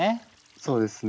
そうですね